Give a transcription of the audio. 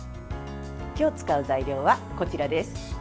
今日使う材料はこちらです。